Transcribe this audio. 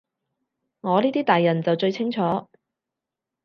我呢啲大人就最清楚